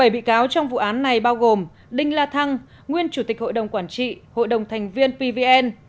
bảy bị cáo trong vụ án này bao gồm đinh la thăng nguyên chủ tịch hội đồng quản trị hội đồng thành viên pvn